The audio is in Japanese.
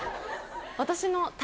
「私の」。